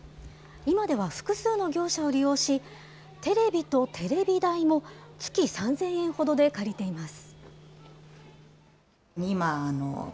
今では複数の業者を利用し、テレビとテレビ台も月３０００円ほどで借りています。